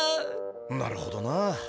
なるほどな。